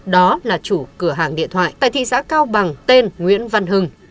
đó là chủ cửa hàng điện thoại tại thị xã cao bằng tên nguyễn văn hưng